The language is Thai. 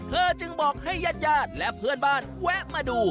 จึงบอกให้ญาติญาติและเพื่อนบ้านแวะมาดู